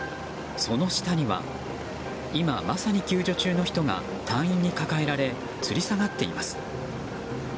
その下には今まさに救助中の人が隊員に抱えられつり下がっています。